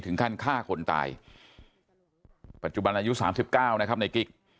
ฆ่าคนตายปัจจุบันอายุ๓๙นะครับในกิ๊ก